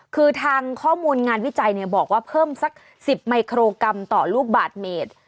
คือทางข้อมูลงานวิจัยบอกว่าเพิ่มสัก๑๐มิโครกรัมต่อลูกบาทเมตร